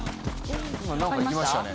今、何か行きましたね？